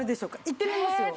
いってみますよ。